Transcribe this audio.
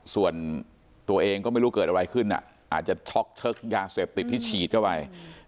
ส่วนตัวเองก็ไม่รู้เกิดอะไรขึ้นอาจจะช็อกเชิกยาเสพติดที่ฉีดเข้าไป